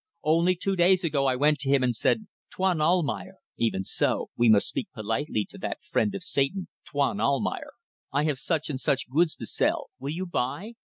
Only two days ago I went to him and said, 'Tuan Almayer' even so; we must speak politely to that friend of Satan 'Tuan Almayer, I have such and such goods to sell. Will you buy?